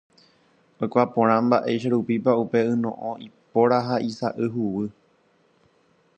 Oikuaa porã mba'eicharupípa upe yno'õ ipóra ha isa'y huguy.